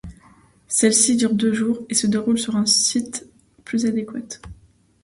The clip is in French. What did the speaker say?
Celle-ci dure deux jours et se déroule sur un site plus adéquat.